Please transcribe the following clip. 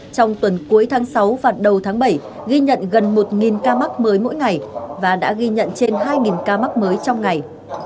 trong tuần cuối tháng sáu và đầu tháng bảy ghi nhận gần một ca mắc mới mỗi ngày và đã ghi nhận trên hai ca mắc mới trong ngày